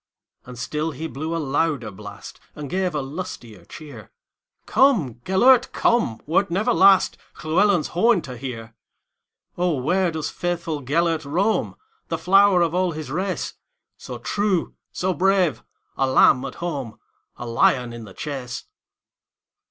And still he blew a louder blast, And gave a lustier cheer:"Come, Gêlert, come, wert never lastLlewelyn's horn to hear."O, where doth faithful Gêlert roam, The flower of all his race, So true, so brave,—a lamb at home,A lion in the chase?"